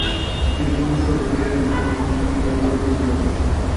তিনি যখন নিজ শহরে ফিরে আসেন, তখন তিনি এক পরিবর্তিত মানুষ।